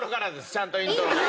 ちゃんとイントロから。